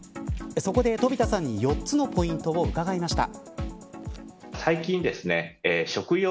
そこで飛田さんに４つのポイントを伺いました。